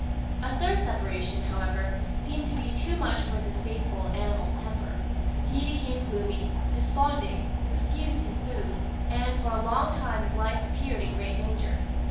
A third separation, however, seemed to be too much for this faithful animal's temper. He became gloomy, desponding, refused his food, and for a long time his life appeared in great danger.